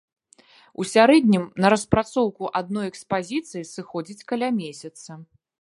У сярэднім на распрацоўку адной экспазіцыі сыходзіць каля месяца.